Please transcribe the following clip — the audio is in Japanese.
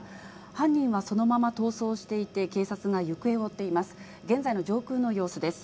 犯人はそのまま逃走していて、警察が行方を追っています。